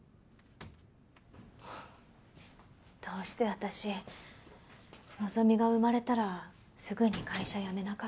どうして私希が生まれたらすぐに会社辞めなかったんだろう。